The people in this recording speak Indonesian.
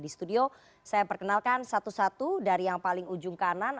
di studio saya perkenalkan satu satu dari yang paling ujung kanan